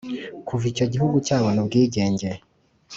kuva icyo gihugu cyabona ubwigenge.